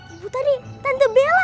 ibu tadi tante bella